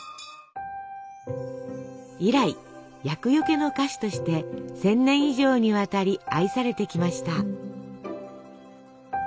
以来厄よけの菓子として１，０００年以上にわたり愛されてきました。